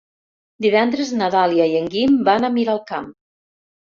Divendres na Dàlia i en Guim van a Miralcamp.